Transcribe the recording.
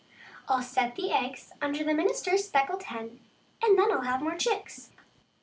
Til set the eggs under the minister's speckled hen, and then Til have more chicks.